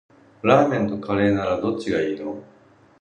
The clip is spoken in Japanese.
ラーメンとカレーならどっちがいいの？